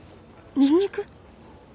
ニンニク！？